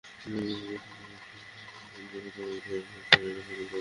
আর যেভাবে একজনের পশ্চাদ্ধাবন করা তোমার তারুণ্যকে ধরে রেখেছে তার প্রতি!